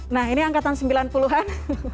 nah ini angkatan sembilan puluh an